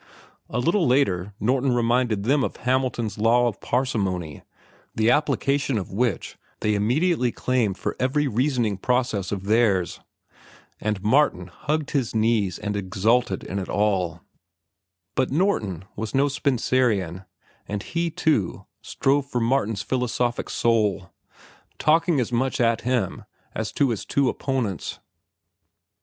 A little later Norton reminded them of Hamilton's Law of Parsimony, the application of which they immediately claimed for every reasoning process of theirs. And Martin hugged his knees and exulted in it all. But Norton was no Spencerian, and he, too, strove for Martin's philosophic soul, talking as much at him as to his two opponents.